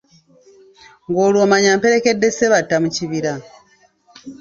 Ng'olwo omanya mperekedde Ssebatta mu kibira.